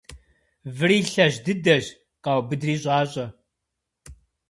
Выри лъэщ дыдэщ къаубыдри щIащIэ.